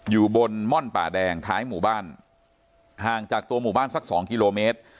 อยู่บนม่อนป่าแดงท้ายหมู่บ้านห่างจากตัวหมู่บ้านสักสองกิโลเมตร